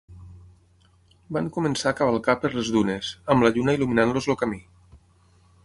Van començar a cavalcar per les dunes, amb la lluna il·luminant-los el camí.